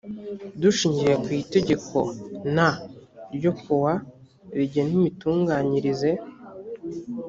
dushingiye ku itegeko n ryo kuwa rigena imitunganyirize